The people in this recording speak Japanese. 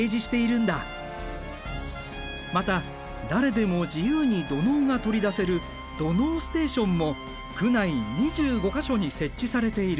また誰でも自由に土のうが取り出せる土のうステーションも区内２５か所に設置されている。